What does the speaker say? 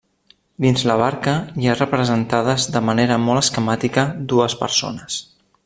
Dins la barca hi ha representades de manera molt esquemàtica dues persones.